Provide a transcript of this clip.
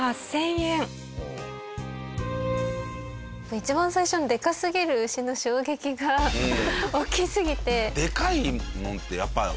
一番最初のデカすぎる牛の衝撃が大きすぎて。